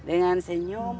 dengan pelayanan yang maksimal